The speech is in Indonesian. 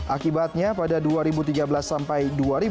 akibatnya pada dua ribu tiga belas sampai dua ribu dua puluh